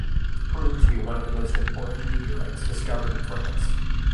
It has proved to be one of the most important meteorites discovered in France.